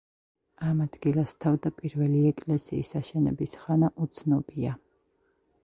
ამ ადგილას თავდაპირველი ეკლესიის აშენების ხანა უცნობია.